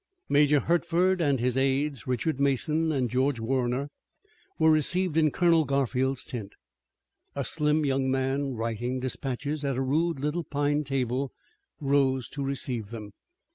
Major Hertford and his aides, Richard Mason and George Warner, were received in Colonel Garfield's tent. A slim young man, writing dispatches at a rude little pine table, rose to receive them.